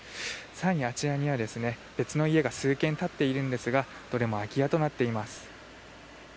更に、あちらには別の家が数軒立っているんですがどれも空き家となっています。